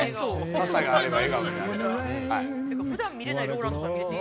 傘があれば笑顔になれる。